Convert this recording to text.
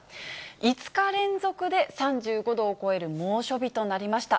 ５日連続で３５度を超える猛暑日となりました。